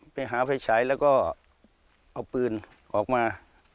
ไปหาไฟฉายแล้วก็เอาปืนออกมา